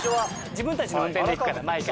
自分たちの運転で行くから毎回。